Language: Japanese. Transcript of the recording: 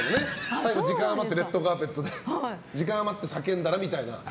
最後、時間が余って「レッドカーペット」で叫んだらみたいな。